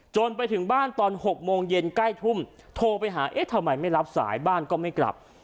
จนถึงบ้านตอน๖โมงเย็นใกล้ทุ่มโทรไปหาเอ๊ะทำไมไม่รับสายบ้านก็ไม่กลับ